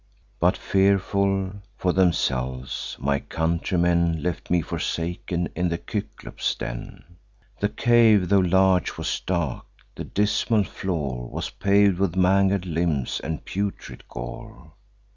But, fearful for themselves, my countrymen Left me forsaken in the Cyclops' den. The cave, tho' large, was dark; the dismal floor Was pav'd with mangled limbs and putrid gore.